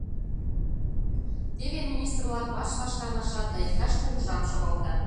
Теве министр-влак ваш-ваш каҥашат да иктаж кугыжам шогалтат.